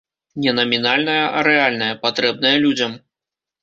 Не намінальная, а рэальная, патрэбная людзям.